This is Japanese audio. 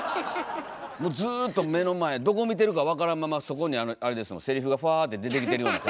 もうずっと目の前どこ見てるか分からんままそこにセリフがふわって出てきてるような。